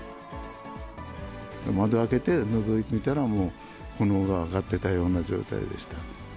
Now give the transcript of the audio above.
窓開けて、のぞいてみたら、もう炎が上がってたような状態でした。